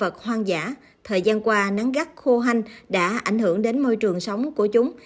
thời gian qua nắng gắt khô hanh đã ảnh hưởng đến môi trường sống của chúng